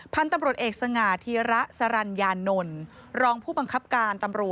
พันธ์ตำรวจเอกสงาธิระสรัญญานนลรองผู้บังคับการ